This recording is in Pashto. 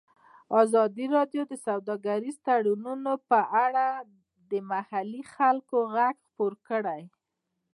ازادي راډیو د سوداګریز تړونونه په اړه د محلي خلکو غږ خپور کړی.